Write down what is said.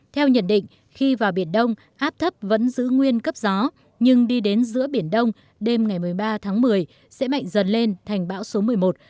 theo nhận định khi vào biển đông áp thấp vẫn giữ nguyên cấp gió nhưng đi đến giữa biển đông đêm ngày một mươi ba tháng một mươi sẽ mạnh dần lên thành bão số một mươi một